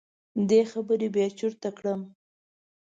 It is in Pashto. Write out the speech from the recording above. دې خبرو بې چرته کړم.